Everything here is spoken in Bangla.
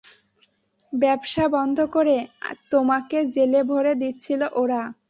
ব্যবসা বন্ধ করে তোমাকে জেলে ভরে দিচ্ছিল ওরা।